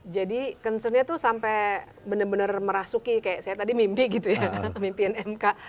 jadi concernnya tuh sampai benar benar merasuki kayak saya tadi mimpi gitu ya mimpiin mk